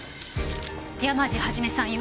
山路肇さんよ。